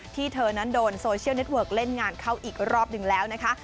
เธอนั้นโดนโซเชียลเน็ตเวิร์กเล่นงานเข้าอีกรอบหนึ่งแล้วนะคะ